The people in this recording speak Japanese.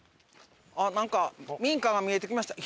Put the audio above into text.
なんか民家が見えてきました。